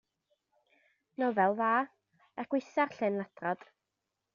Nofel dda er gwaetha'r llên-ladrad.